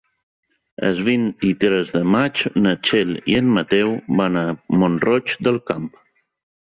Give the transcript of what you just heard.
El vint-i-tres de maig na Txell i en Mateu van a Mont-roig del Camp.